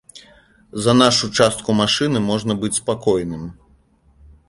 За нашу частку машыны можна быць спакойным!